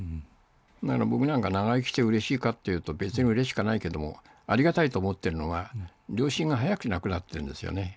僕なんか長生きしてうれしいかっていうと、別にうれしかないけども、ありがたいと思ってるのは、両親が早く亡くなっているんですよね。